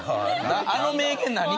あの名言何？